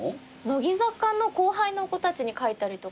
乃木坂の後輩の子たちに書いたりとか。